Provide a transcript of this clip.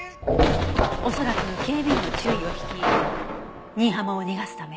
恐らく警備員の注意を引き新浜を逃がすため。